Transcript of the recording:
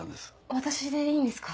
私でいいんですか？